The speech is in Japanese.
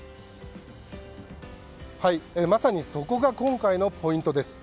まさにそこが今回のポイントです。